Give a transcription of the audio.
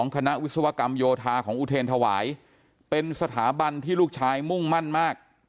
คณะวิศวกรรมโยธาของอุเทรนธวายเป็นสถาบันที่ลูกชายมุ่งมั่นมาก